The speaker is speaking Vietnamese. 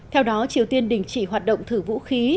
theo đó triều tiên đình chỉ hoạt động thử vũ khí